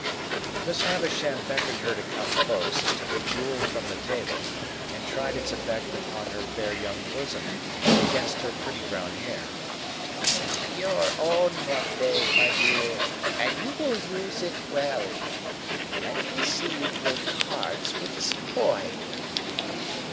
Miss Havisham beckoned her to come close, and took up a jewel from the table, and tried its effect upon her fair young bosom and against her pretty brown hair. "Your own, one day, my dear, and you will use it well. Let me see you play cards with this boy."